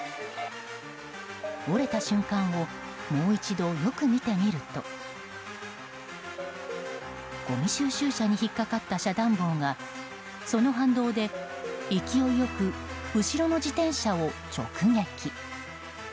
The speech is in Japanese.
折れた瞬間をもう一度よく見てみるとごみ収集車に引っかかった遮断棒がその反動で勢いよく後ろの自転車を直撃。